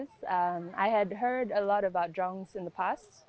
saya pernah dengar banyak hal tentang jong di masa lalu